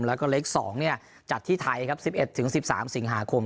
แล้วก็เล็ก๒จัดที่ไทยครับ๑๑๑๑๓สิงหาคม